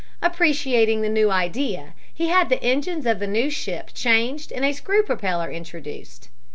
Appreciating the new idea, he had the engines of the new ship changed and a screw propeller introduced.